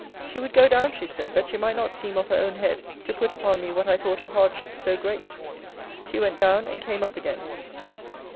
She would go down, she said, that she might not seem of her own head to put upon me what I thought a hardship so great. She went down: and came up again.